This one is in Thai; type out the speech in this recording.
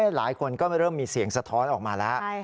หลายคนก็เริ่มมีเสียงสะท้อนออกมาแล้ว